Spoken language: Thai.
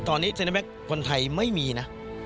ตอนนี้เซ็นเตอร์แบ็คคนไทยไม่มีนะ